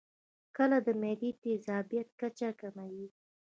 کېله د معدې د تیزابیت کچه کموي.